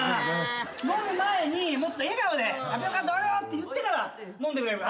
飲む前にもっと笑顔で「タピオカ増量」って言ってから飲んでくれるかな？